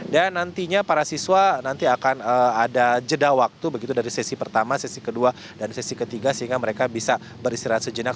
dan nantinya para siswa nanti akan ada jeda waktu begitu dari sesi pertama sesi kedua dan sesi ketiga sehingga mereka bisa beristirahat sejenak